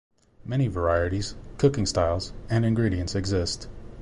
Many varieties, cooking styles, and ingredients exist.